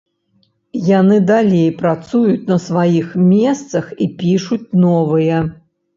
Яны далей працуюць на сваіх месцах і пішуць новыя.